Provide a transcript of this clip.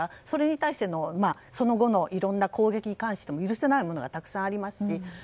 それに対してもその後のいろんな攻撃に対しても許せないものはたくさんありますし。